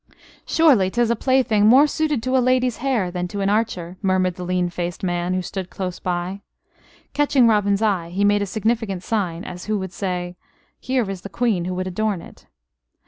"Surely 'tis a plaything more suited to a lady's hair than to an archer," murmured the lean faced man, who stood close by. Catching Robin's eye, he made a significant sign, as who would say: "Here is the Queen who would adorn it."